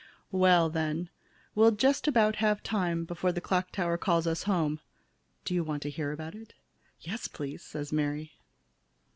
Well, then, we'll just about have time before the tower clock calls us home. Do you want to hear about it?" "Yes, please," said Mary.